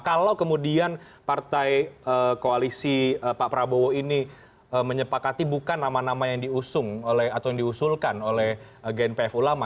kalau kemudian partai koalisi pak prabowo ini menyepakati bukan nama nama yang diusung atau yang diusulkan oleh gnpf ulama